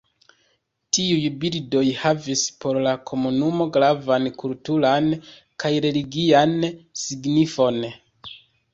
Tiuj bildoj havis por la komunumo gravan kulturan kaj religian signifon.